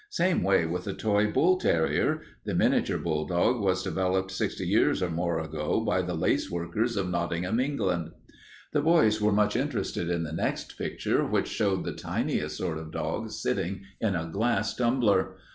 Same way with the toy bull terrier. The miniature bulldog was developed sixty years or more ago by the lace workers of Nottingham, England." The boys were much interested in the next picture, which showed the tiniest sort of a dog sitting in a glass tumbler.